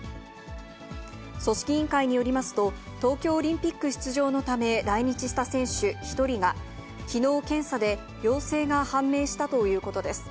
組織委員会によりますと、東京オリンピック出場のため来日した選手１人が、きのう検査で陽性が判明したということです。